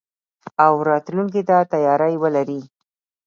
او راتلونکي ته تياری ولري.